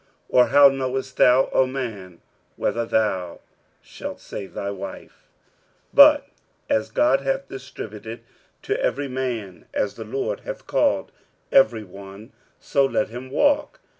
or how knowest thou, O man, whether thou shalt save thy wife? 46:007:017 But as God hath distributed to every man, as the Lord hath called every one, so let him walk.